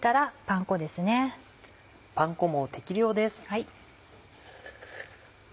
パン粉も適量です。